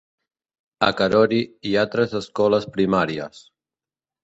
A Karori hi ha tres escoles primàries.